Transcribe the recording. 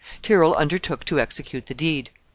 Tyrrel undertook to execute the deed.